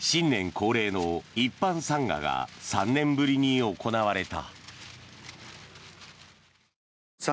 恒例の一般参賀が３年ぶりに行われた。